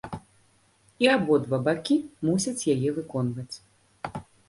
І абодва бакі мусяць яе выконваць.